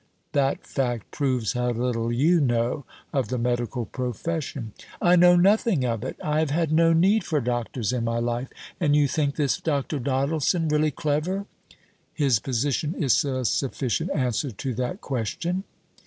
"That fact proves how little you know of the medical profession." "I know nothing of it; I have had no need for doctors in my life. And you think this Dr. Doddleson really clever?" "His position is a sufficient answer to that question."